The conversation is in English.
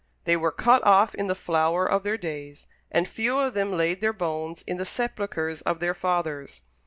They were cut off in the flower of their days, and few of them laid their bones in the sepulchres of their fathers.